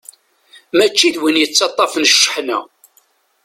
Mačči d win yettaṭṭafen ccḥani.